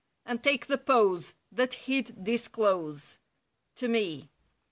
And take the pose That he'd disclose— To me.